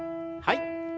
はい。